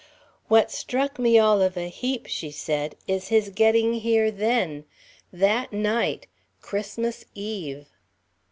"What struck me all of a heap," she said, "is his getting here then. That night. Christmas Eve."